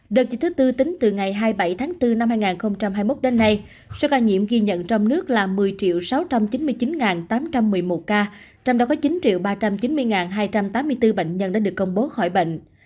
đợt dịch thứ tư tính từ ngày hai mươi bảy tháng bốn năm hai nghìn hai mươi một đến nay số ca nhiễm ghi nhận trong nước là một mươi sáu trăm chín mươi chín tám trăm một mươi một ca trong đó có chín ba trăm chín mươi hai trăm tám mươi bốn bệnh nhân đã được công bố khỏi bệnh